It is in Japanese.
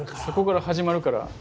そこから始まるから。